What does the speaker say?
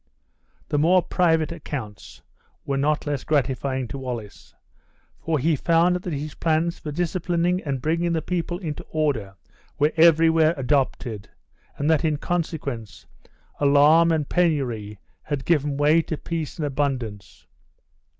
The more private accounts were not less gratifying to Wallace; for he found that his plans for disciplining and bringing the people into order were everywhere adopted, and that in consequence, alarm and penury had given way to peace and abundance.